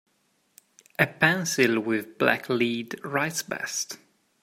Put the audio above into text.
A pencil with black lead writes best.